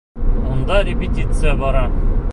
Унда репетиция бара.